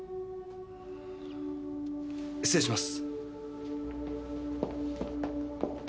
失礼します。